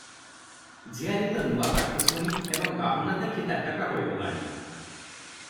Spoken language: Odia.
ଝିଆରୀତ ନୂଆ ପାଟି ଶୁଣି ଏବଂ ବାହୁନା ଦେଖି ତାଟକା ହୋଇଗଲାଣି ।